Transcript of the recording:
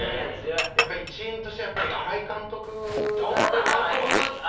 やっぱり一因としては新井監督が監督になったのが。